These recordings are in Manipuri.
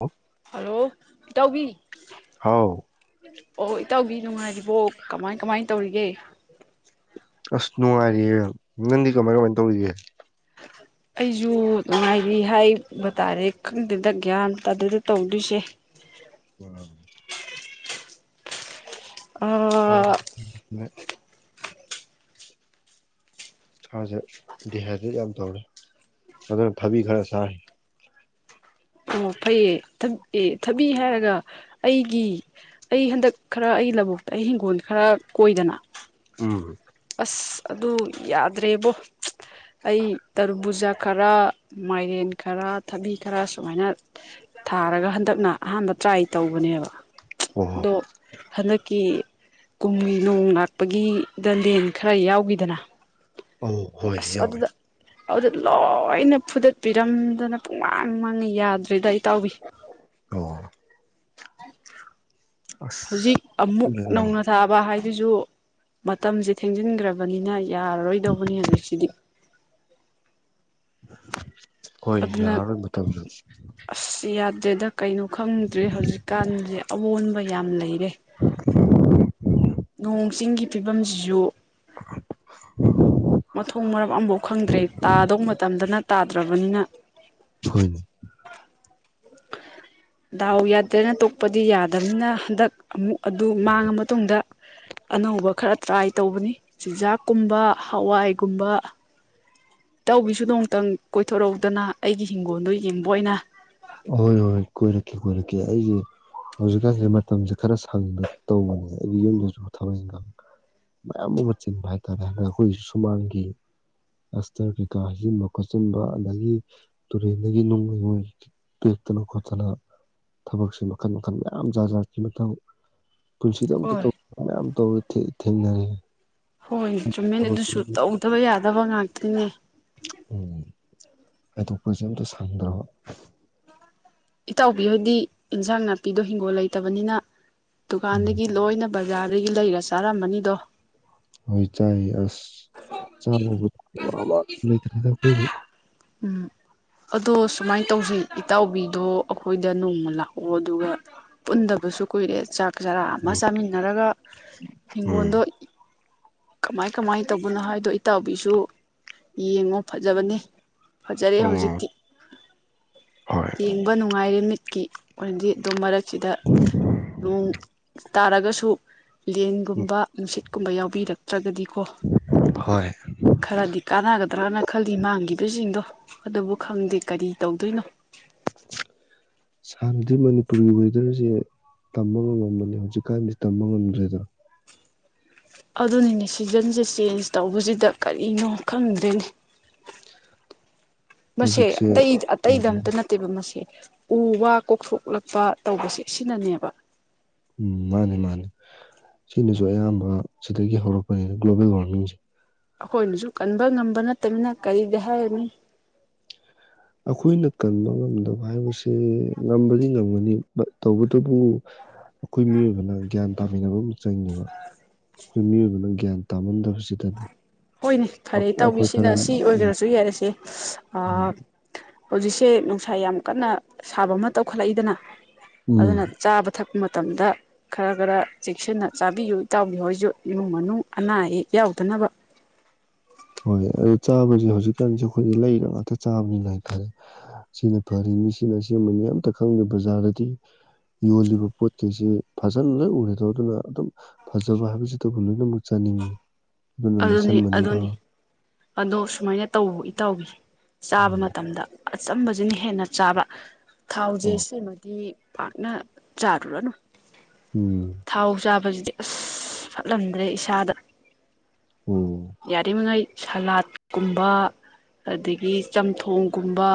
ꯑꯣ ꯍꯜꯂꯣ ꯏ ꯇꯥꯎꯕꯤ ꯍꯥꯎ ꯑꯣ ꯏꯇꯥꯎꯒꯤ ꯅꯨꯡꯉꯥꯏꯔꯤꯕꯣ ꯀꯃꯥꯏ ꯀꯃꯥꯏ ꯇꯧꯔꯤꯒꯦ ꯑꯁ ꯅꯨꯡꯉꯥꯏꯔꯤꯌꯦꯦ ꯅꯪꯗꯤ ꯀꯃꯥꯏ ꯀꯃꯥꯏꯅ ꯇꯧꯔꯤꯒꯦ ꯑꯩꯁꯨ ꯅꯨꯡꯉꯥꯏꯔꯤ ꯍꯥꯏꯕ ꯇꯥꯔꯦ ꯈꯪꯗꯗ ꯒ꯭ꯌꯥꯟ ꯑꯗꯨꯗ ꯇꯧꯗꯣꯏꯁꯦ ꯎꯝ ꯑꯥ [unintelligible] ꯁꯥꯁꯦ ꯗꯤꯍꯥꯏꯗ꯭ꯔꯦꯠ ꯌꯥꯝ ꯇꯧꯔꯦ ꯑꯗꯨꯅ ꯊꯕꯤ ꯈꯔ ꯁꯔꯤ ꯑꯣ ꯐꯩꯌꯦ ꯑꯦ ꯊꯕꯤ ꯍꯥꯏꯔꯒ ꯑꯩꯒꯤ ꯑꯩ ꯍꯟꯗꯛ ꯈꯔ ꯑꯩꯒꯤ ꯂꯧꯕꯨꯛꯇ ꯑꯩ ꯍꯤꯡꯒꯣꯜ ꯈꯔ ꯀꯣꯏꯗꯅ ꯎꯝ ꯑꯁ ꯑꯗꯨ ꯌꯥꯗ꯭ꯔꯦꯕꯣ ꯑꯩ ꯇꯔꯨ ꯄꯨꯕꯨꯖꯥ ꯈꯔ ꯃꯥꯏꯔꯦꯟ ꯈꯔ ꯊꯕꯤ ꯈꯔ ꯁꯨꯃꯥꯏꯅ ꯊꯥꯔꯒ ꯍꯟꯗꯛꯅ ꯑꯍꯥꯟꯕ ꯇ꯭ꯔꯥꯏ ꯇꯧꯕꯅꯦꯕ ꯑꯣ ꯗꯣ ꯍꯟꯗꯛ ꯀꯨꯝꯍ ꯅꯣꯡ ꯂꯥꯛꯄꯒꯤꯗ ꯗꯦꯟ ꯈꯔ ꯌꯥꯎꯈꯤꯗꯅ ꯑꯧ ꯍꯣꯏ ꯑꯁ ꯌꯥꯎꯋꯦ ꯑꯗꯨꯗ ꯑꯗꯨꯗ ꯂꯣꯏꯅ ꯐꯨꯗꯠꯄꯤꯔꯝꯗꯅ ꯄꯨꯡꯃꯥꯡ ꯃꯥꯡꯉ ꯌꯥꯗ꯭ꯔꯦꯗ ꯑꯩ ꯇꯥꯎꯋꯤ ꯑ ꯑꯣ ꯑꯁ ꯍꯧꯖꯤꯛ ꯑꯃꯨꯛ ꯅꯧꯅ ꯊꯥꯕ ꯍꯥꯏ ꯑꯗꯨꯁꯨ ꯃꯇꯝꯁꯦ ꯊꯦꯡꯖꯤꯟꯈ꯭ꯔꯕꯅꯤꯅ ꯑꯩ ꯌꯥꯔꯔꯣꯏꯗꯧꯕꯅꯤ ꯍꯧꯖꯤꯛꯁꯤꯗꯤ [unintelligible] ꯍꯈꯣꯏ ꯑꯗꯨꯅ ꯌꯥꯔꯔꯣꯏ ꯃꯇꯝꯗ ꯁꯤꯗ ꯀꯩꯅꯣ ꯈꯪꯗ꯭ꯔꯦ ꯍꯧꯖꯤꯛꯀꯥꯟꯁꯦ ꯑꯑꯣꯟꯕ ꯌꯥꯝ ꯂꯩ ꯒꯤ ꯅꯣꯡꯣꯡ ꯆꯤꯡꯒꯤ ꯐꯤꯕꯝꯁꯤꯁꯨ [unintelligible] ꯃꯊꯣꯡ ꯃꯔꯨꯞ ꯑꯃꯐꯥꯎ ꯈꯪꯗ꯭ꯔꯦ ꯇꯥꯗꯧ ꯃꯇꯝꯗꯅ ꯇꯥꯗ꯭ꯔꯕꯅꯤꯅ ꯍꯣꯏꯅꯣꯏ ꯗꯥꯎ ꯌꯥꯗ꯭ꯔꯦꯅ ꯇꯣꯛꯄꯗꯤ ꯌꯥꯗꯕꯅꯤꯅ ꯍꯟꯗꯛ ꯑꯃꯨꯛ ꯑꯗꯨ ꯃꯥꯡꯉ ꯃꯇꯨꯡꯗ ꯑꯅꯧꯕ ꯈꯔ ꯇ꯭ꯔꯥꯏ ꯇꯧꯕꯅꯤ ꯆꯤꯟꯖꯥꯛꯀꯨꯝꯕ ꯍꯋꯥꯏꯒꯨꯝꯕ ꯏ ꯇꯧꯒꯤꯁꯨꯗꯣ ꯑꯃꯨꯛꯇꯪ ꯀꯣꯏꯊꯣꯔꯧꯗꯅ ꯑꯩꯒꯤ ꯍꯤꯡꯒꯣꯜꯗꯣ ꯌꯦꯡꯕ ꯑꯣꯏꯅ ꯑꯍꯣꯏ ꯍꯣꯏꯣꯏ ꯀꯣꯏꯔꯛꯀꯦ ꯀꯣꯏꯔꯛꯀꯦ ꯑꯩꯁꯦ ꯍꯧꯖꯤꯛꯀꯥꯟꯁꯦ ꯃꯇꯝꯁꯦ ꯈꯔ ꯁꯪꯕ ꯇꯧꯕꯅꯦ ꯑꯩꯒꯤ ꯌꯨꯝꯗꯁꯨ ꯊꯕꯛ ꯏꯪꯈꯥꯡ ꯃꯌꯥꯝ ꯑꯃ ꯆꯤꯟꯕ ꯍꯥꯏ ꯇꯔꯦ ꯍꯗ ꯑꯩꯈꯣꯏꯒꯤꯁꯨ ꯁꯨꯃꯥꯡꯒꯤ ꯑꯁꯇꯔ ꯀꯩꯀꯥ ꯍꯩꯖꯤꯟꯕ ꯈꯣꯠꯆꯤꯟꯕ ꯑꯗꯒꯤ ꯇꯨꯔꯦꯟꯗꯒꯤ ꯅꯨꯡꯩꯉꯣꯏ ꯄꯦꯛꯇꯅ ꯈꯣꯠꯇꯅ ꯊꯕꯛꯁꯦ ꯃꯈꯟ ꯃꯈꯜ ꯃꯌꯥꯝ ꯖꯥꯠ ꯖꯥꯠꯀꯤ ꯃꯊꯪ ꯄꯨꯟꯁꯤꯗꯣ ꯑꯝꯇ ꯍꯣꯏ ꯇꯧ ꯇꯧꯋ ꯊꯦꯡꯅꯔꯦ ꯍꯣꯏ ꯇ꯭ꯔꯤꯃꯦꯟ ꯑꯗꯨꯁꯨ ꯊꯕꯛꯇꯒꯤ ꯇꯧꯗꯕ ꯌꯥꯗꯦ ꯇꯕꯪ ꯍꯥꯥꯛꯇꯅꯦ ꯎꯝ ꯍꯥꯏꯗꯣꯛꯄꯁꯤ ꯑꯝꯇ ꯁꯪꯗ꯭ꯔꯕ ꯏꯇꯥꯎꯕꯤꯍꯣꯏꯗꯤ ꯏꯟꯁꯥꯡ ꯅꯥꯄꯤꯗꯣ ꯍꯤꯡꯒꯣꯜ ꯂꯩꯇꯕꯅꯤꯅ ꯎꯝ ꯗꯨꯀꯥꯟꯗꯒꯤ ꯂꯣꯏꯅ ꯕꯖꯥꯔꯗꯒꯤ ꯂꯩꯔ ꯆꯥꯔꯝꯃꯅꯤꯗꯣ ꯍꯣꯏ ꯆꯥꯏ ꯑꯁ ꯆꯥꯦ ꯁꯨꯃꯥꯏꯅ ꯇꯧꯁꯤ ꯏꯇꯥꯎꯕꯤ ꯑꯗꯣ ꯑꯩꯈꯣꯏꯗ ꯅꯣꯡꯃ ꯂꯥꯛꯑꯣ ꯑꯗꯨꯒ ꯄꯨꯟꯗꯕꯁꯨ ꯀꯨꯏꯔꯦ ꯆꯥꯛ ꯆꯔꯥ ꯑꯃ ꯎꯝ ꯆꯥꯃꯤꯟꯅꯔꯒ ꯎꯝ ꯏꯪꯒꯣꯜꯗꯣ ꯀꯃꯥꯏ ꯀꯃꯥꯏꯅ ꯇꯧꯕꯅꯣ ꯍꯥꯏꯕꯗꯣ ꯑꯩ ꯇꯥꯎꯕꯤꯁꯨ ꯌꯦꯡꯉꯣ ꯐꯖꯕꯅꯦ ꯐꯖꯔꯦ ꯑꯣ ꯍꯧꯖꯤꯛꯇꯤ ꯍꯣꯏ ꯇꯦꯡꯕ ꯅꯨꯡꯉꯥꯏꯔꯦ ꯀꯤ ꯑꯣꯏꯗꯤ ꯑꯗꯨꯝ ꯃꯔꯛ ꯁꯤꯗ ꯅꯣꯡ ꯇꯥꯔꯒꯁꯨ ꯂꯦꯟꯒꯨꯝꯕ ꯅꯨꯡꯁꯤꯠꯀꯨꯝꯕ ꯌꯥꯎꯕꯤꯔꯛ ꯅꯠꯇ꯭ꯔꯒꯗꯤ ꯀꯣ ꯍꯣꯏ ꯈꯔꯗꯤ ꯀꯥꯟꯅꯒꯗ꯭ꯔꯅ ꯈꯜꯂꯤ ꯃꯥꯡꯈꯤꯗꯣꯏ ꯁꯤꯡꯗꯣ ꯑꯗꯨꯕꯨ ꯈꯪꯗꯦ ꯀꯔꯤ ꯇꯧꯗꯣꯏꯅꯣ ꯁꯥꯥꯟꯅꯗꯤ ꯃꯅꯤꯄꯨꯔꯒꯤ ꯋꯦꯗꯔꯁꯦ ꯇꯝꯕ ꯉꯝꯃꯝꯕꯅꯤ ꯍꯧꯖꯤꯛꯀꯥꯟꯁ ꯇꯝꯕ ꯉꯝꯗ꯭ꯔꯦꯗꯅ ꯑꯗꯨꯅꯤꯅꯦ ꯁꯤꯖꯟꯁꯦ ꯆꯦꯟꯖ ꯇꯧꯕꯁꯤꯗ ꯀꯔꯤꯅꯣ ꯈꯪꯗꯣꯏꯅꯦ ꯃꯁꯦ ꯍꯧꯖꯤꯛꯁꯦ ꯑꯇꯩ ꯑꯇꯩꯗ ꯑꯝꯇ ꯎꯝ ꯅꯠꯇꯦꯕ ꯃꯁꯦ ꯎ ꯋꯥ ꯀꯣꯛꯊꯣꯛꯂꯛꯄ ꯇꯧꯕꯁꯦ ꯑꯁꯤꯅꯅꯦꯕ ꯎꯝ ꯃꯥꯅꯦ ꯃꯥꯅꯦ ꯁꯤꯅꯁꯨ ꯑꯌꯥꯝꯕ ꯁꯤꯗꯒꯤ ꯍꯧꯔꯛꯄꯅꯤꯅ ꯒ꯭ꯂꯣꯕꯦꯜ ꯋꯥꯔꯃꯤꯡꯁꯦ ꯑꯩꯈꯣꯏꯅꯁꯨ ꯀꯟꯕ ꯉꯝꯕ ꯅꯠꯇꯃꯤꯅ ꯀꯔꯤꯗꯤ ꯍꯥꯏꯔꯅꯤ ꯑꯩꯈꯣꯏꯅ ꯀꯟꯕ ꯉꯝꯗꯕ ꯍꯥꯏꯕꯁꯦ ꯉꯝꯕꯗꯤ ꯉꯝꯒꯅꯤ ꯇꯧꯕꯇꯕꯨ ꯑꯩꯈꯣꯏ ꯃꯤꯑꯣꯏꯕꯅ ꯒ꯭ꯌꯥꯟ ꯇꯥꯃꯤꯟꯅꯕ ꯑꯃ ꯆꯪꯉꯦꯕ ꯑꯩꯈꯣꯏ ꯃꯤꯑꯣꯏꯕꯅ ꯒ꯭ꯌꯥꯟ ꯇꯥꯃꯟꯗꯕ ꯍꯣꯏꯅꯦ ꯐꯔꯦ ꯇꯧꯋ ꯈꯔ ꯁꯤꯅ ꯁꯤ ꯎꯝ ꯑꯣꯏꯈ꯭ꯔꯁꯨ ꯌꯥꯏꯔꯁꯦ ꯑ ꯍꯧꯖꯤꯁ ꯁꯦ ꯅꯨꯡꯁꯥ ꯌꯥꯝ ꯀꯟꯅ ꯁꯥꯕ ꯑꯃ ꯇꯧꯈꯠꯂꯛꯏꯗꯅ ꯎꯝ ꯑꯗꯨꯅ ꯆꯥꯕ ꯊꯛꯄ ꯃꯇꯝꯗ ꯈꯔ ꯈꯔ ꯆꯦꯛꯁꯤꯟꯅ ꯆꯥꯕꯤꯌꯨ ꯇꯥꯎꯕꯤꯌꯨ ꯍꯥꯏꯁꯨ ꯏꯃꯨꯡ ꯃꯅꯨꯡ ꯑꯅꯥ ꯑꯌꯦꯛ ꯌꯥꯎꯗꯅꯕ ꯍꯣꯏ ꯑꯗꯣ ꯆꯥꯁꯦ ꯍꯧꯖꯤꯛꯀꯥꯟꯁꯦ ꯑꯩꯈꯣꯏꯁ ꯂꯩꯅ ꯉꯥꯛꯇ ꯆꯥꯕꯅꯤꯅ ꯍꯥꯏꯇꯥꯔꯦ ꯁꯤꯅ ꯐꯔꯤꯅꯤ ꯁꯤꯅ ꯑꯁꯕꯅꯤ ꯑꯝꯇ ꯈꯪꯗꯦ ꯕꯖꯥꯔꯗꯗꯤ ꯌꯣꯜꯂꯤꯕ ꯄꯣꯠꯈꯩꯁꯦ ꯐꯖꯅ ꯂꯣꯏ ꯎꯔꯦꯗꯧ ꯑꯗꯨꯅ ꯑꯗꯨꯝ ꯐꯖꯕ ꯍꯥꯏꯕꯁꯤꯇꯕꯨ ꯂꯣꯏꯅꯃꯛ ꯆꯥꯅꯤꯡꯉꯤ ꯑꯗꯨꯅ ꯑꯗꯨꯅꯤ ꯂꯩꯁꯟꯕꯅꯤꯗꯣ ꯑꯗꯨꯅꯤ ꯑꯗꯣ ꯁꯨꯃꯥꯏꯅ ꯇꯧꯕ ꯏꯇꯥꯎ [unintelligible] ꯆꯥꯕ ꯎꯝ ꯃꯇꯝꯗ ꯑꯆꯝꯕꯁꯤꯅ ꯍꯦꯟꯅ ꯆꯥꯕ ꯊꯥꯎꯁꯦ ꯑꯣ ꯁꯤꯃꯗꯤ ꯐꯥꯒꯅ ꯆꯥꯔꯨ ꯂꯅ ꯎꯝ ꯊꯥꯎ ꯆꯥꯕꯁꯤ ꯑꯁ ꯐꯠꯂꯝꯗ꯭ꯔꯦ ꯏꯁꯥꯗ ꯑꯣ ꯌꯥꯔꯤꯃꯉꯩ ꯁꯂꯥꯠꯀꯨꯝꯕ ꯑꯗꯒꯤ ꯆꯝꯊꯣꯡꯒꯨꯝꯕ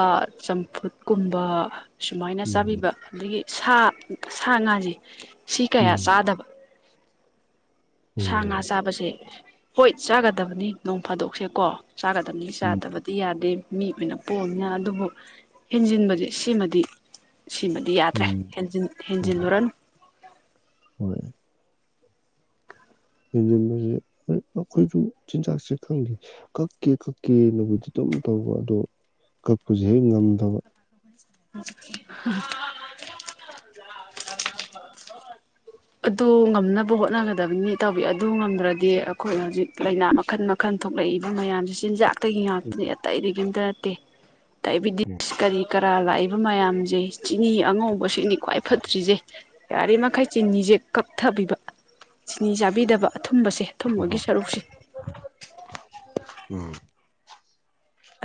ꯆꯝꯐꯨꯠ ꯀꯨꯝꯕ ꯁꯨꯃꯥꯏꯅ ꯎꯝ ꯆꯥꯕꯤꯕ ꯑꯗꯒꯤ ꯁꯥ ꯁꯥ ꯉꯥꯁꯦ ꯁꯤ ꯀꯌꯥ ꯎꯝ ꯁꯥꯗꯕ ꯁꯥ ꯉꯥ ꯑꯣ ꯆꯥꯕꯁꯦ ꯍꯣꯏ ꯆꯥꯒꯗꯕꯅꯤ ꯅꯣꯡ ꯐꯥꯗꯣꯛꯁꯦ ꯀꯣ ꯆꯥꯒꯗꯕꯅꯤ ꯎꯝ ꯆꯥꯗꯕꯗꯤ ꯌꯥꯗꯦ ꯃꯤ ꯑꯣꯏꯅ ꯄꯣꯑꯝꯅ ꯑꯗꯨꯕꯨ ꯍꯦꯟꯖꯤꯟꯕꯁꯦ ꯁꯤꯃꯗꯤ ꯁꯤꯃꯗꯤ ꯌꯥꯗ꯭ꯔꯦ ꯎꯝ ꯑꯣ ꯍꯦꯟꯖꯤꯜꯂꯨꯔꯅꯨ ꯌꯦꯦꯟꯟꯕꯁꯦ ꯑꯩꯈꯣꯏꯁꯨ ꯆꯤꯟꯖꯥꯛꯁꯦ ꯈꯪꯗꯦ ꯀꯛꯀꯦ ꯀꯛꯀꯦꯅꯕꯨꯗꯤ ꯑꯗꯨꯝ ꯇꯧꯕ ꯑꯗꯣ ꯀꯛꯄꯁꯦ ꯍꯦꯛ ꯉꯝꯗꯕ [unintelligible] ꯑꯗꯨ ꯉꯝꯅꯕ ꯍꯣꯠꯅꯒꯗꯕꯅꯤ ꯇꯧꯋꯤ ꯑꯗꯨ ꯉꯝꯗ꯭ꯔꯗꯤ ꯑꯩꯈꯣꯏ ꯍꯧꯖꯤꯛ ꯂꯥꯏꯅꯥ ꯃꯈꯜ ꯃꯈꯜ ꯊꯣꯛꯂꯛꯏꯕ ꯃꯌꯥꯝꯁ ꯆꯤꯟꯖꯥꯛ ꯑꯒꯤ ꯉꯥꯛꯇꯅꯦ ꯑꯇꯩꯝꯇ ꯅꯠꯇꯦ ꯗꯥꯏꯇꯤꯁ ꯀ ꯀ ꯂ ꯃꯌꯥꯝꯁꯦ ꯆꯤꯅꯤ ꯑꯉꯧꯕꯁꯤꯅꯤ ꯈ꯭ꯋꯥꯏ ꯐꯠꯇ꯭ꯔꯤꯁꯦ ꯌꯥꯔꯤꯃꯈꯩ ꯆꯤꯅꯤꯖꯦ ꯀꯛꯊꯕꯤꯕ ꯆꯤꯅꯤ ꯆꯥꯕꯤꯗꯕ ꯑꯊꯨꯝꯕꯁꯦ ꯑꯊꯨꯝꯕꯒꯤ ꯁꯔꯨꯛꯁꯦ ꯎꯝ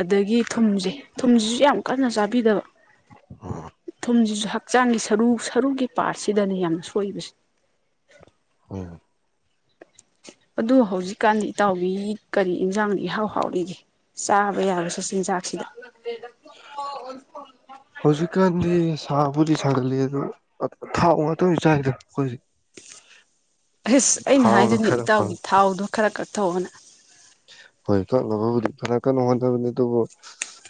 ꯑꯗꯒꯤ ꯊꯨꯝꯁꯦ ꯊꯨꯝꯁꯤꯁꯨ ꯌꯥꯝ ꯀꯟꯅ ꯆꯥꯕꯤꯗꯕ ꯊꯨꯝꯁꯤꯁꯨ ꯍꯛꯆꯥꯡꯒꯤ ꯁꯔꯨ ꯁꯔꯨꯒꯤ ꯄꯥꯔꯠꯁꯤꯗꯅꯦ ꯌꯥꯝ ꯁꯣꯏꯕꯁꯦ ꯑꯣ ꯑꯗꯨ ꯍꯧꯖꯤꯛꯀꯥꯟꯗꯤ ꯏꯇꯥꯎꯕꯤ ꯀꯔꯤ ꯏꯟꯖꯥꯡꯅ ꯏꯍꯥꯎ ꯍꯥꯎꯔꯤꯒꯦ ꯆꯥꯕ ꯌꯥꯔꯁꯨꯦ ꯆꯤꯟꯖꯥꯛꯁꯤꯗ ꯍꯧꯖꯤꯛꯀꯥꯟꯗꯤ ꯁꯥꯕꯨꯗꯤ ꯁꯥꯒꯂꯤ ꯑꯗꯣ ꯊꯥꯎ ꯉꯥꯛꯇꯪ ꯆꯥꯏꯗꯅ ꯑꯩꯈꯣꯏꯁ ꯑꯁ ꯑꯩꯅ ꯍꯥꯏꯗꯨꯅꯦ ꯏꯇꯥꯎꯒꯤ ꯊꯥꯎꯗꯣ ꯈꯔ ꯀꯛ ꯊꯣꯛꯅ ꯍꯣꯏ ꯀꯛꯂꯒꯕꯨꯗꯤ ꯐꯖ ꯀꯟꯅ ꯍꯣꯠꯅꯕꯅꯤ ꯑꯗꯨꯕꯨ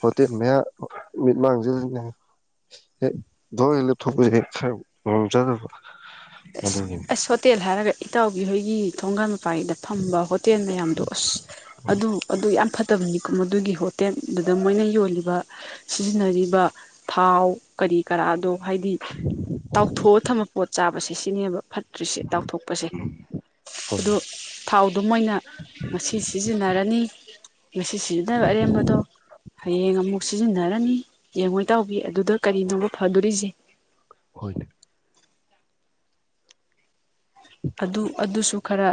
ꯍꯣꯇꯦꯜ ꯃꯌꯥ ꯃꯤꯠ ꯃꯥꯡꯁꯤꯜꯂꯤꯅꯦ ꯍꯦꯛꯣꯔ ꯍꯦꯛ ꯂꯦꯞꯊꯣꯛꯄꯁꯦ ꯍꯦꯛ ꯈꯔ ꯉꯝꯗꯕ ꯑꯁ ꯑꯁ ꯋꯥꯇ ꯌꯦꯂ ꯍꯥꯏꯔꯒ ꯏꯇꯥꯎꯕꯤꯍꯣꯏꯒꯤ ꯊꯣꯡꯒꯥꯟ ꯕꯥꯥꯏꯗ ꯐꯝꯕ ꯍꯣꯇꯦꯜ ꯃꯌꯥꯝꯗꯣ ꯑꯁ ꯑꯗꯨ ꯑꯗꯨ ꯌꯥꯝ ꯐ ꯐꯠꯇꯕꯅꯤꯣ ꯃꯗꯨꯒꯤ ꯍꯣꯇꯦꯜ ꯑꯗꯨꯗ ꯃꯣꯏꯅ ꯌꯣꯜꯂꯤꯕ ꯁꯤꯖꯤꯟꯅꯔꯤꯕ ꯊꯥꯎ ꯀꯔꯤ ꯀꯔꯥꯗꯣ ꯍꯥꯏꯗꯤ ꯇꯥꯎꯊꯣꯛꯑ ꯊꯝꯕ ꯄꯣꯠ ꯆꯥꯕ ꯁꯤꯁꯤꯅꯦ ꯍꯥꯏꯕ ꯐꯠ ꯛꯇ꯭ꯔꯤꯁꯤ ꯇꯥꯎꯊꯣꯛꯄꯁꯦ ꯍꯣꯏ ꯑꯗꯨ ꯊꯥꯎꯗꯨ ꯃꯣꯏꯅ ꯉꯁꯤ ꯁꯤꯖꯤꯟꯅꯔꯅꯤ ꯉꯁꯤ ꯁꯤꯖꯤꯟꯅꯕ ꯑꯔꯦꯝꯕꯗꯣ ꯍꯌꯦꯡ ꯑꯃꯨꯛ ꯁꯤꯖꯤꯟꯅꯔꯅꯤ ꯌꯦꯡꯉꯣꯏ ꯇꯥꯎꯕꯤ ꯑꯗꯨꯗ ꯀꯔꯤꯅꯣꯕ ꯐꯗꯣꯔꯤꯁꯦ ꯍꯣꯏꯅꯦ ꯑꯗꯨ ꯑꯗꯨꯁꯨ ꯈꯔ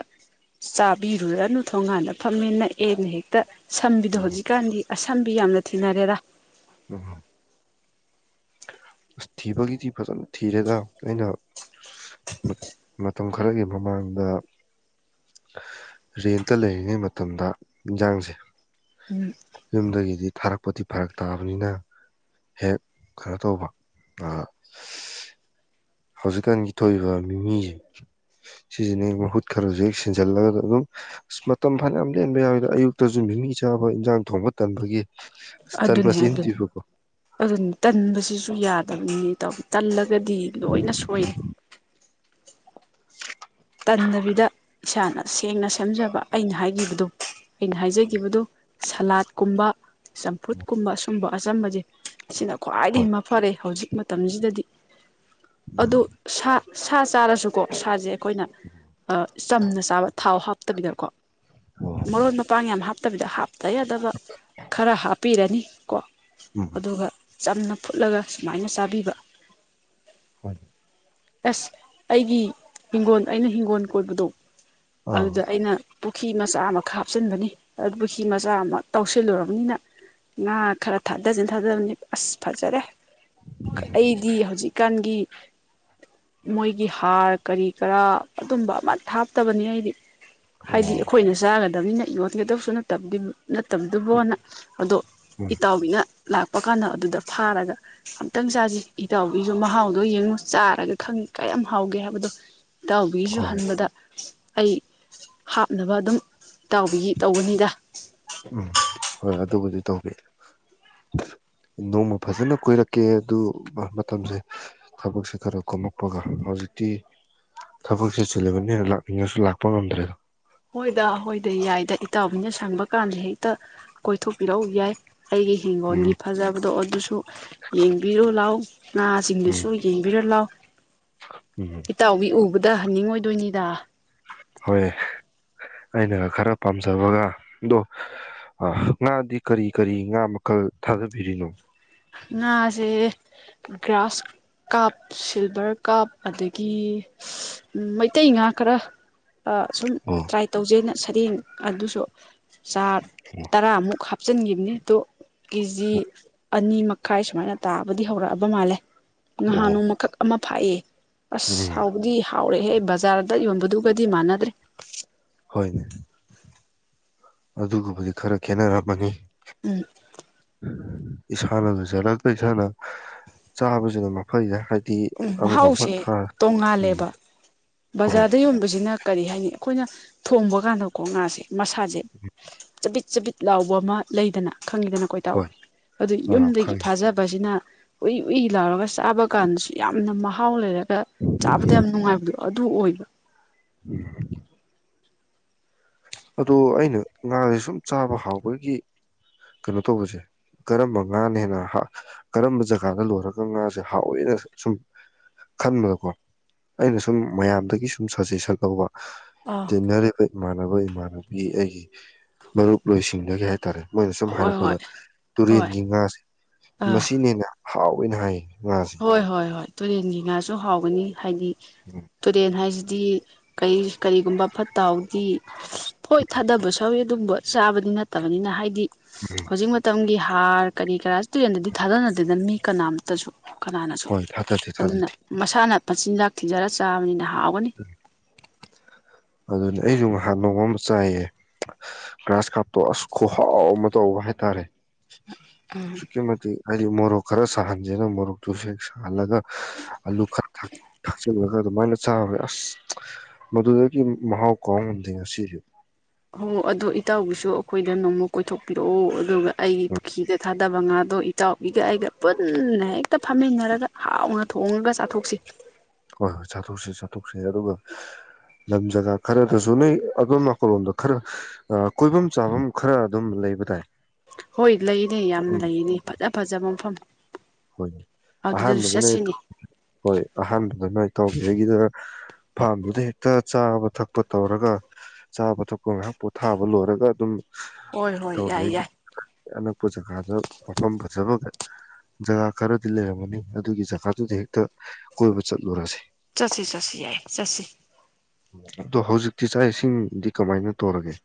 ꯆꯥꯕꯤꯔꯨꯔꯅꯨ ꯊꯣꯡꯉꯥꯟꯗ ꯐꯝꯃꯦꯅ ꯑꯦꯅ ꯍꯦꯛꯇ ꯁꯝꯕꯤꯗꯣ ꯎꯝ ꯍꯧꯖꯤꯛꯀꯥꯟꯗꯤ ꯑꯁꯝꯕꯤ ꯌꯥꯝꯅ ꯊꯤꯅꯔꯦꯔꯥ ꯎ ꯑꯁ ꯊꯤꯕꯒꯤꯗꯤ ꯐꯖꯅ ꯊꯤꯔꯦꯗ ꯑꯩꯅ [unintelligible] ꯃꯇꯝ ꯈꯔꯒꯤ ꯃꯃꯥꯡꯗ ꯔꯦꯟꯇ ꯂꯩꯔꯤꯉꯩ ꯃꯇꯝꯗ ꯏꯟꯖꯥꯡꯁꯦ ꯎꯝ ꯌꯨꯝꯗꯒꯤꯗꯤ ꯊꯥꯔꯛꯄꯗꯤ ꯐꯔꯛ ꯇꯥꯕꯅꯤꯅ ꯍꯦꯛ ꯀꯩꯅꯣ ꯇꯧꯕ ꯑ ꯍꯧꯖꯤꯛꯀꯥꯟꯒꯤ ꯊꯣꯛꯏꯕ ꯃꯤꯃꯤꯁꯦ ꯁꯤꯁꯤꯅ ꯃꯍꯨꯠ ꯈꯔꯁꯨ ꯍꯦꯛ ꯁꯤꯦꯟꯖꯜꯂꯒ ꯑꯗꯨꯝ ꯑ ꯃꯇꯝ ꯐꯥꯅ ꯌꯥꯝ ꯂꯦꯟꯕ ꯌꯥꯎꯋꯤꯗ ꯑꯌꯨꯛꯇꯁꯨ ꯃꯤꯃꯤ ꯆꯥꯕ ꯏꯟꯖꯥꯡ ꯊꯣꯡꯕ ꯇꯕꯒꯤ ꯑꯗꯨꯅꯦ ꯑꯗꯨꯅꯤ ꯑꯗꯨꯅꯤ ꯇꯟꯕꯁꯤꯁꯨ ꯌꯥꯔꯦ ꯅꯤ ꯇ ꯇꯜꯂꯛ ꯗꯤ ꯂꯣꯏꯅ ꯁꯣꯏꯔꯦ [unintelligible] ꯇꯟꯗꯕꯤꯗ ꯏꯁꯥꯅ ꯁꯦꯡꯅ ꯁꯦꯝꯖꯕ ꯑꯩꯅ ꯍꯥꯏꯈꯤꯕꯗꯨ ꯑꯩꯅ ꯍꯥꯏꯖꯒꯤꯕꯗꯨ ꯁꯂꯥꯠꯀꯨꯝꯕ ꯆꯝꯐꯨꯠꯀꯨꯝꯕ ꯁꯨꯝꯕ ꯑꯆꯝꯕꯁꯦ ꯑꯁꯤꯅ ꯍꯣꯏ ꯈ꯭ꯋꯥꯏꯗꯒꯤ ꯃ ꯐꯔꯦ ꯍꯧꯖꯤꯛ ꯃꯇꯝꯁꯤꯗꯗꯤ ꯎꯝ ꯑꯗꯨ ꯁꯥ ꯁꯥ ꯆꯥꯔꯁꯨꯀꯣ ꯁꯥꯁꯦ ꯑꯩꯈꯣꯏ ꯑ ꯆꯝꯅ ꯆꯥꯕ ꯊꯥꯎ ꯍꯥꯞꯄ ꯍꯥꯞꯇꯕꯤꯗꯀꯣ ꯑꯣ ꯃꯔꯣꯟ ꯃꯄꯥꯡ ꯌꯥꯝ ꯍꯥꯞꯇꯕꯤꯗ ꯍꯥꯞꯄ ꯇ ꯌꯥꯗꯕ ꯈꯔ ꯍꯥꯞꯄꯤꯔꯅꯤ ꯀꯣ ꯎꯝ ꯑꯗꯨꯒ ꯆꯝꯅ ꯐꯨꯠꯂꯒ ꯁꯨꯃꯥꯏꯅ ꯆꯥꯕꯤꯕ ꯍꯣꯏꯅꯦ ꯑꯁ ꯑꯩꯒꯤ ꯍꯤꯡꯒꯣꯟ ꯑꯩꯅ ꯍꯤꯡꯒꯣꯜ ꯀꯣꯏꯕꯗꯣ ꯑꯥ ꯑꯗꯨꯗ ꯑꯩꯅ ꯄꯨꯈ꯭ꯔꯤ ꯃꯆꯥ ꯑꯃ ꯍꯥꯞꯆꯤꯟꯕꯅꯤ ꯑꯗꯨ ꯄꯨꯈ꯭ꯈꯤ ꯃꯆꯥ ꯑꯃ ꯇꯧꯁꯤꯜꯂꯨꯔꯕꯅꯤꯅ ꯉꯥ ꯈꯔ ꯊꯥꯗꯖꯤꯟ ꯊꯥꯗꯕꯅꯤ ꯑꯁ ꯐꯖꯔꯦ ꯑꯩꯒꯤ ꯍꯧꯖꯤꯛ ꯍꯧꯖꯤꯀꯥꯟꯒꯤ ꯃꯣꯏꯒꯤ ꯍꯥꯔ ꯀꯔꯤ ꯀꯔꯥ ꯑꯗꯨꯝꯕ ꯑꯃ ꯊꯥꯞꯇꯕꯅꯤ ꯑꯩꯗꯤ ꯑꯣ ꯍꯥꯏꯗꯤ ꯑꯩꯈꯣꯏꯅ ꯆꯥꯒꯅꯤ ꯇꯕꯅꯤꯅ ꯌꯣꯟꯒꯗꯕꯁꯨ ꯅ ꯇꯕꯗꯤ ꯅꯠꯇꯕꯗꯨꯕꯣꯅ ꯑꯗꯣ ꯎꯝ ꯏꯇꯥꯎꯕꯤꯅ ꯂꯥꯛꯄ ꯀꯥꯟꯗ ꯑꯗꯨꯗ ꯐꯥꯔꯒ ꯑꯝꯇꯪ ꯆꯥꯁꯤ ꯏꯇꯥꯎꯒꯤꯁꯨ ꯃꯍꯥꯎꯗꯣ ꯌꯦꯡꯉꯨ ꯆꯥꯔꯒ ꯈꯪꯉꯤ ꯀꯌꯥꯝ ꯍꯥꯎꯒꯦ ꯍꯥꯏꯕꯗꯣ ꯏꯇꯥꯎꯕꯤꯁꯨ ꯍꯣꯏ ꯍꯟꯕꯗ ꯑꯩ ꯍꯥꯞꯅꯕ ꯑꯗꯨꯝ ꯇꯥꯎꯕꯤ ꯇꯧꯕꯅꯤꯗ ꯎꯝ ꯍꯣꯏ ꯑꯗꯨꯕꯨꯗꯤ ꯇꯧꯒꯦ ꯅꯣꯡꯃ ꯐꯖꯅ ꯀꯣꯏꯏꯔꯛꯀꯦ ꯑꯗꯨ ꯃꯇꯝꯁꯦ ꯊꯕꯛꯁꯦ ꯈꯔ ꯀꯣꯝꯃꯛꯄꯒ ꯍꯧꯖꯤꯛꯇꯤ ꯊꯕꯛꯁꯦ ꯆꯤꯜꯂꯤꯕꯅꯤꯅ ꯂꯥꯛꯅꯤꯡꯉꯁꯨ ꯂꯥꯛꯄ ꯉꯝꯗ꯭ꯔꯦꯗꯣ ꯍꯣꯏꯗ ꯍꯣꯏꯗ ꯌꯥꯏꯗ ꯏꯇꯥꯎꯕꯤꯅ ꯁꯪꯕ ꯀꯥꯟꯗꯦ ꯍꯦꯛꯇ ꯀꯣꯏꯊꯣꯛꯄꯤꯔꯛꯎ ꯌꯥꯏ ꯑꯩꯒꯤ ꯎꯝ ꯍꯤꯡꯒꯣꯜꯒꯤ ꯐꯖꯕꯗꯣ ꯑꯗꯨꯁꯨ ꯌꯦꯡꯕꯤꯔꯣ ꯂꯥꯛꯑꯣ ꯎꯝ ꯉꯥꯁꯤꯡꯗꯨꯁꯨ ꯌꯦꯡꯕꯤꯔ ꯂꯥꯎꯑꯣ ꯎꯝ ꯏꯇꯥꯎꯕꯤ ꯎꯕꯗ ꯍꯟꯅꯤꯡꯉ ꯑꯣꯏ ꯇꯨꯅꯤꯗꯥ ꯍꯣꯏ ꯑꯩꯅ ꯈꯔ ꯄꯥꯝꯖꯕꯒ ꯑꯗꯣ ꯉꯥꯗꯤ ꯀꯔꯤ ꯀꯔꯤ ꯉꯥ ꯃꯈꯜ ꯊꯥꯗꯕꯤꯔꯤꯅꯣ ꯉꯥꯁꯦ ꯒ꯭ꯔꯥꯁ ꯀꯞ ꯁꯤꯜꯚꯔ ꯀꯞ ꯑꯗꯒꯤ ꯃꯩꯇꯩ ꯉꯥ ꯈꯔ ꯁꯨꯝ ꯑꯣ ꯇ꯭ꯔꯥꯏ ꯇꯧꯖꯩꯩꯅ ꯁꯔꯦꯡ ꯑꯗꯨꯁꯨ ꯆꯠ ꯑꯣ ꯇꯔꯥꯃꯨꯛ ꯍꯥꯞ ꯍꯥꯞꯆꯤꯟꯈꯤꯕꯅꯤ ꯑꯣ ꯀꯦꯖꯤ ꯑꯅꯤ ꯃꯈꯥꯏ ꯁꯨꯃꯥꯏꯅ ꯇꯥꯕꯗꯤ ꯍꯧꯔꯛꯑꯕ ꯃꯥꯜꯂꯦ ꯑꯣ ꯉꯍꯥꯅꯨꯛ ꯐꯥꯏꯌꯦ ꯑꯁ ꯎꯝ ꯍꯥꯎꯕꯗꯤ ꯍꯥꯎꯔꯛꯦꯍꯦ ꯕꯖꯥꯔꯗ ꯌꯣꯟꯕꯗꯨꯒꯗꯤ ꯃꯥꯟꯅꯗ꯭ꯔꯦ ꯍꯣꯏꯅꯦ ꯑꯗꯨꯒꯨꯝꯕꯗꯤ ꯈꯔ ꯈꯦꯠꯅꯔꯃꯅꯤ ꯎꯝ ꯏꯁꯥꯅꯁꯨꯖꯔꯛꯇ ꯏꯁꯥꯅ ꯆꯥꯕꯁꯤꯅ ꯃꯩꯁ ꯍꯥꯏ ꯎꯝ ꯃꯍꯥꯎꯁꯦ ꯎꯝ ꯇꯣꯡꯉꯥꯜꯂꯦꯕ ꯍꯣꯏ ꯕꯖꯥꯔꯗ ꯌꯣꯟꯕꯁꯤꯅ ꯀꯔꯤ ꯍꯥꯏꯅꯤ ꯑꯩꯈꯣꯏꯅ ꯊꯣꯡꯕ ꯀꯥꯟꯗꯀꯣ ꯉꯥꯁꯦ ꯃꯁꯥꯁꯦ ꯆꯕꯤꯠ ꯆꯕꯤꯠ ꯂꯥꯎꯕ ꯑꯃ ꯂꯩꯗꯅ ꯈꯪꯉꯤꯗꯅ ꯀꯣꯏ ꯇꯥꯎ ꯍꯣꯏ ꯑꯗꯨ ꯑꯥ ꯌꯨꯝꯗꯒꯤ ꯈꯪꯉꯦ ꯐꯥꯖꯕꯁꯤꯅ ꯑꯣꯤꯂꯥꯔ ꯀꯁꯤ ꯑꯕ ꯀꯥꯟꯁꯨ ꯌꯥꯝꯅ ꯃꯍꯥꯎ ꯂꯩꯔꯦ ꯆꯥꯕꯗ ꯌꯥꯝ ꯅꯨꯡꯉꯥꯏꯕꯗꯣ ꯑꯗꯨ ꯑꯣꯏꯕ ꯎꯝ ꯑꯗꯣ ꯑꯩꯅ ꯉꯥꯁꯦ ꯁꯨꯝ ꯆꯥꯕ ꯍꯥꯎꯕꯒꯤ ꯀꯩꯅꯣ ꯇꯧꯕꯁꯦ ꯀꯔꯝꯕ ꯉꯥꯅ ꯍꯦꯟꯅ ꯀꯔꯝꯕ ꯖꯒꯥꯗ ꯂꯣꯏꯔꯒ ꯉꯥꯁꯦ ꯍꯥꯎꯋꯦꯅ ꯁꯨꯝ ꯈꯟꯕꯗꯀꯣ ꯑꯩꯅ ꯁꯨꯝ ꯃꯌꯥꯝꯗꯒꯤ ꯁꯨꯝ ꯁꯖꯦꯁꯟ ꯂꯧꯕ ꯑꯥ ꯇꯟꯅꯔ ꯃꯅꯅꯕ ꯑꯣꯏ ꯏꯃꯥꯟꯅꯕꯤ ꯑꯩꯒꯤ ꯃꯔꯨꯞꯂꯣꯏꯁꯤꯡꯗꯒꯤ ꯍꯥꯏꯇꯥꯔꯦ ꯃꯣꯏꯅ ꯁꯨꯝ ꯍꯣꯏ ꯍꯥꯏꯔꯛꯄꯗ ꯍꯣꯏ ꯍꯣꯏ ꯇꯨꯔꯦꯟꯒꯤ ꯉꯥꯁꯦ ꯑꯥ ꯃꯁꯤꯅꯦꯅ ꯍꯥꯎꯋꯦꯅ ꯍꯥꯏ ꯍꯣꯏ ꯍꯣꯏ ꯍꯣꯏ ꯇꯨꯔꯦꯟꯒꯤ ꯉꯥꯁꯨ ꯍꯥꯎꯒꯅꯤ ꯍꯥꯏꯗꯤ ꯎꯝ ꯇꯨꯔꯅ ꯍꯥꯏꯁꯤ ꯗꯤ ꯀꯔꯤ ꯀꯔꯤꯒꯨꯝꯕ ꯐꯠꯇꯥꯎ ꯄꯣꯏꯠ ꯊꯥꯗꯕ ꯁꯎꯋꯤ ꯑꯗꯨꯒꯕ ꯆꯥꯕꯗꯤ ꯅꯠꯇꯕꯅꯤꯅ ꯍꯥꯏꯗꯤ ꯍꯧꯖꯤꯛ ꯃꯇꯝꯒꯤ ꯍꯥꯔ ꯀꯔꯤ ꯀꯔꯥ ꯇꯨꯔꯦꯟꯗꯗꯤ ꯊꯥꯗꯅꯗꯦꯗꯅ ꯃꯤ ꯀꯅꯥꯝꯇ ꯇꯁꯨ ꯀꯅꯥꯅꯁꯨ ꯍꯣꯏ ꯊꯥꯗꯗꯦ ꯑꯗꯨꯅ ꯊꯥꯗꯗꯦ ꯃꯁꯥꯅ ꯄꯟꯆꯤꯟꯖꯥꯛ ꯊꯤꯖꯔꯒ ꯆꯥꯕꯅꯤꯅ ꯊꯕꯒꯅꯤ ꯑꯗꯨꯅꯦ ꯑꯩꯁꯨ ꯉꯥꯏꯍꯥꯛ ꯅꯣꯡ ꯑꯃ ꯆꯥꯏꯌꯦ ꯒ꯭ꯔꯥꯁ ꯀꯥꯞꯇꯣ ꯑꯁ ꯈꯍꯥꯎ ꯑꯃ ꯇꯧꯕ ꯍꯥꯏꯇꯥꯔꯦ ꯆꯀꯤꯃꯗꯤ ꯍꯥꯏꯗꯤ ꯃꯣꯔꯣꯛ ꯈꯔ ꯁꯥꯍꯟꯁꯤꯦꯅ ꯃꯣꯔꯣꯛꯇꯨꯁꯨ ꯍꯦꯛ ꯁꯥꯍꯜꯂꯒ ꯑꯂꯨ ꯈꯔ ꯊꯥꯛꯆꯤꯜꯂꯒ ꯑꯗꯨꯃꯥꯏꯅ ꯆꯥꯔꯨꯔꯦ ꯑꯁ ꯃꯗꯨꯗꯩ ꯒꯤ ꯃꯍꯥꯎ ꯀꯥꯎ ꯉꯝꯗꯦ ꯉꯁꯤꯗꯤ ꯍꯣ ꯑꯗꯣ ꯏꯇꯥꯎꯒꯤꯁꯨ ꯑꯩꯈꯣꯏꯗ ꯅꯣꯡꯃ ꯀꯣꯏꯊꯣꯛꯄꯤꯔꯛꯑꯣ ꯑꯗꯨꯒ ꯑꯩꯒꯤ ꯎꯝ ꯄꯨꯈ꯭ꯔꯤꯗ ꯊꯥꯗꯕ ꯉꯥꯗꯣ ꯏꯇꯥꯎꯕꯤꯒ ꯑꯩꯒ ꯄꯨꯟꯅ ꯍꯦꯛꯇ ꯐꯝꯃꯤꯟꯅꯔꯒ ꯍꯥꯎꯅ ꯊꯣꯡꯉꯒ ꯆꯥꯊꯣꯛꯁꯤ ꯍꯣꯏ ꯍꯣꯏ ꯆꯥꯊꯣꯛꯁꯤ ꯆꯥꯊꯣꯛꯁꯤ ꯑꯗꯨꯒ ꯂꯝ ꯖꯒꯥ ꯈꯔꯗꯁꯨ ꯅꯣꯏ ꯑꯗꯣꯝ ꯅꯥꯀꯜꯂꯣꯝꯗ ꯈꯔ ꯀꯣꯏꯐꯝ ꯆꯥꯐꯝ ꯈꯔ ꯑꯗꯨꯝ ꯂꯩꯕ ꯇꯥꯏ ꯍꯣꯏ ꯂꯩꯅꯦ ꯌꯥꯝꯅ ꯂꯩꯅꯦ ꯐꯖ ꯐꯖꯕ ꯃꯐꯝ ꯍꯣꯏ ꯑꯗꯨꯗꯁꯨ ꯑꯍꯥꯟꯕꯗꯅꯦ ꯆꯠꯁꯤꯅꯦ ꯍꯣꯏ ꯑꯍꯥꯟꯕꯗꯅ ꯇꯧꯒ ꯑꯩꯒꯤꯗ ꯐꯥꯔꯝꯗꯨꯗ ꯍꯦꯛꯇ ꯆꯥꯕ ꯊꯛꯄ ꯇꯧꯔꯒ ꯆꯥꯕ ꯊꯛꯄ ꯃꯌꯥꯝ ꯄꯣꯊꯥꯕ ꯂꯣꯏꯔꯒ ꯑꯗꯨꯝ ꯍꯣꯏ ꯍꯣꯏ ꯇꯧꯔꯦ ꯌꯥꯏ ꯌꯥꯏ ꯑꯅꯛꯄ ꯖꯒꯥꯗ ꯃꯐꯝ ꯐꯖꯕꯒ ꯖꯒꯥ ꯈꯔꯗꯤ ꯂꯩꯔꯝꯃꯅꯤ ꯑꯗꯨꯒꯤ ꯖꯒꯥꯗꯨꯗ ꯍꯦꯛꯇ ꯀꯣꯏꯕ ꯆꯠꯂꯨꯔꯁꯤ ꯁꯠ ꯁꯠ ꯌꯥꯏ ꯁꯠꯔꯤ ꯑꯗꯣ ꯍꯧꯖꯤꯛꯇꯤ ꯆꯥꯛ ꯏꯁꯤꯡꯗꯤ ꯀꯃꯥꯏꯅ ꯇꯧꯔꯒꯦ